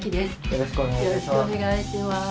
よろしくお願いします。